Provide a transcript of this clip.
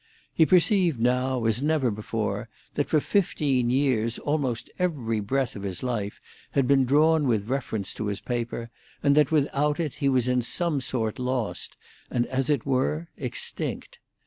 He perceived now, as never before, that for fifteen years almost every breath of his life had been drawn with reference to his paper, and that without it he was in some sort lost, and, as it were, extinct.